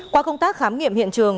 qua công tác khám nghiệm hiện trường